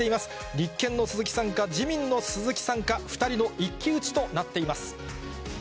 立憲の鈴木さんか、自民の鈴木さんか、２人の一騎打ちとなっています。